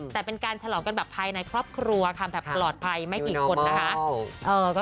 แต่เป็นการฉลองกันแบบภายในครอบครัวค่ะแบบปลอดภัยไม่กี่คนนะคะ